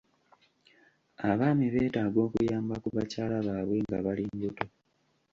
Abaami beetaaga okuyamba ku bakyala baabwe nga bali mbuto.